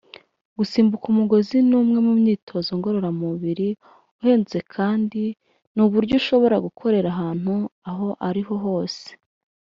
Gusimbuka umugozi ni umwe mu myitozo ngororamubiri ihendutse kandi ni n’uburyo ushobora gukorera ahantu aho ariho hose